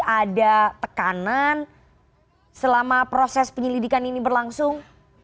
ada tekanan selama proses penyelidikan ini berlangsung